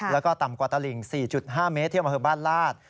แล้วก็ต่ำกว่าตลิ่ง๔๕เมตรที่อำเภอบ้านลาด